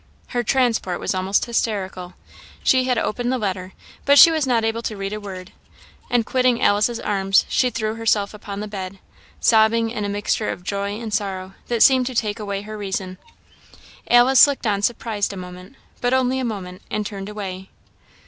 Her transport was almost hysterical. She had opened the letter, but she was not able to read a word; and quitting Alice's arms, she threw herself upon the bed, sobbing in a mixture of joy and sorrow that seemed to take away her reason. Alice looked on surprised a moment, but only a moment, and turned away.